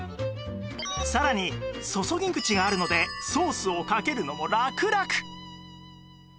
さらに注ぎ口があるのでソースをかけるのもラクラク